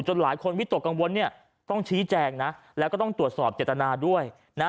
หลายคนวิตกกังวลเนี่ยต้องชี้แจงนะแล้วก็ต้องตรวจสอบเจตนาด้วยนะ